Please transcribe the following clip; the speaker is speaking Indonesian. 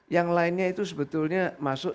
yang lainnya itu sebetulnya masuk